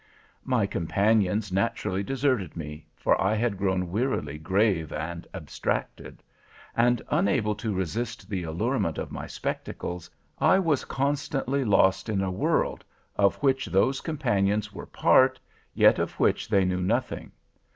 "My companions naturally deserted me, for I had grown wearily grave and abstracted: and, unable to resist the allurement of my spectacles, I was constantly lost in a world, of which those companions were part, yet of which they knew nothing.